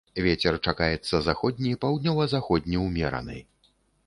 Вецер чакаецца заходні, паўднёва-заходні ўмераны.